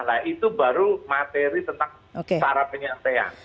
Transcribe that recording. nah itu baru materi tentang cara penyampaian